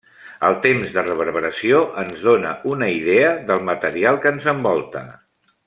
El temps de reverberació ens dóna una idea del material que ens envolta.